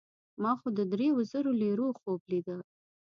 ما خو د دریو زرو لیرو خوب لیده.